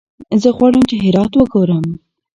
زه غواړم چې هرات وګورم.